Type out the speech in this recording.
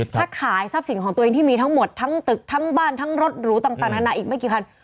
ถ้าขายทรัพย์สินของตัวเองที่มีทั้งหมดทั้งตึกทั้งบ้านทั้งรถหรูต่างนานาอีกไม่กี่คัน